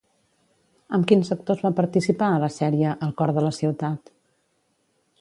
Amb quins actors va participar a la sèrie "El cor de la ciutat"?